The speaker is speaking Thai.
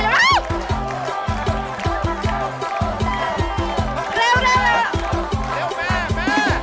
เร็วพี่เอามาชิ้นกัน